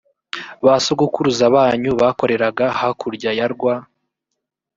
ba sogokuruza banyu bakoreraga hakurya ya rwa